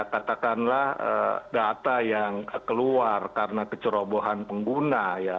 katakanlah data yang keluar karena kecerobohan pengguna ya